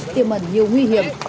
tiêm ẩn nhiều nguy hiểm